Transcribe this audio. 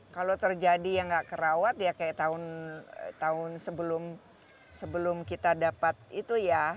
kalau terjadi yang nggak kerawat ya kayak tahun sebelum kita dapat itu ya